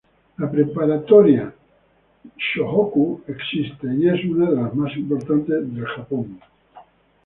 La preparatoria Shohoku existe, y es una de las más importantes de Japón.